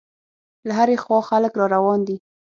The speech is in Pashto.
له هرې خوا خلک را روان دي.